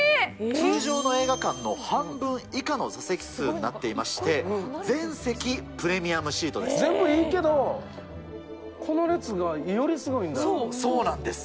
通常の映画館の半分以下の座席数になっていまして、全部いいけど、この列がよりそうなんです。